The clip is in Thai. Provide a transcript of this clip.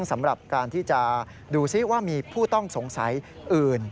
สำหรับการที่จะดูซิว่ามีผู้ต้องสงสัยอื่น